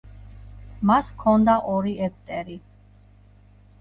მას ჰქონდა ორი ეგვტერი.